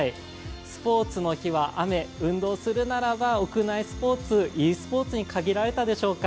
スポーツの日は雨、運動するならば屋内スポーツ、ｅスポーツに限られたでしょうか。